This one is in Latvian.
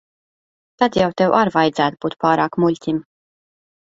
Tad jau tev ar vajadzētu būt pārāk muļķim.